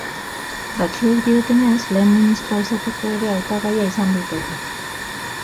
Batzuek diotenez, lehen ministroa izateko ere hautagaia izan liteke.